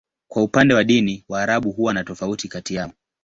Kwa upande wa dini, Waarabu huwa na tofauti kati yao.